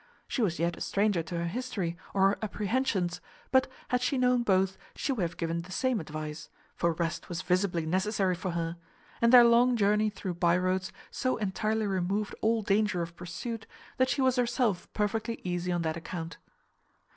She was yet a stranger to her history, or her apprehensions; but, had she known both, she would have given the same advice; for rest was visibly necessary for her; and their long journey through bye roads so entirely removed all danger of pursuit, that she was herself perfectly easy on that account.